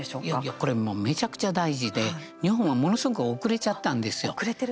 これもう、めちゃくちゃ大事で日本は、ものすごく遅れちゃったんですよ。